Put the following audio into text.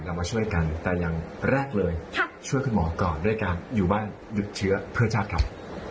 มาช่วยกันแต่อย่างแรกเลยช่วยคุณหมอก่อนด้วยการอยู่บ้านหยุดเชื้อเพื่อชาติครับ